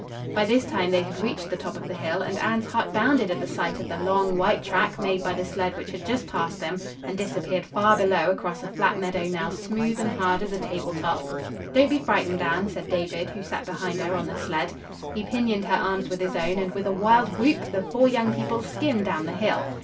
By this time they had reached the top of the hill, and Anne's heart bounded at the sight of the long, white track made by the sled which had just passed them and disappeared far below across a flat meadow now smooth and hard as a table top. "Don't be frightened, Anne," said David, who sat behind her on the sled. He pinioned her arms with his own and with a wild whoop the four young people skimmed down the hill.